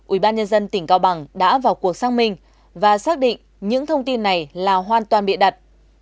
ubnd tỉnh cao bằng đã vào cuộc xác minh và xác định những thông tin này là hoàn toàn bịa đặt